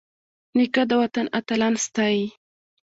نیکه د وطن اتلان ستايي.